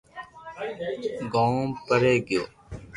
گوم ڀري گيو